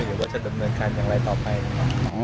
หรือว่าจะดำเนินการอย่างไรต่อไปนะครับ